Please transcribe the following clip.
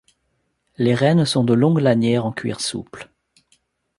Les rênes sont de longues lanières en cuir souple.